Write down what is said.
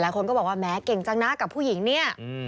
คนก็บอกว่าแม้เก่งจังนะกับผู้หญิงเนี่ย